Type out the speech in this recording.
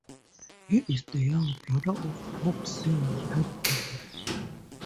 He is the younger brother of pop singer Pat Boone.